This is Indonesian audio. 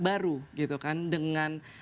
baru gitu kan dengan